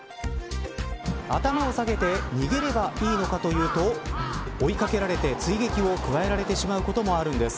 頭を下げて逃げればいいのかというと追い掛けられて、追撃を加えられてしまうこともあるんです。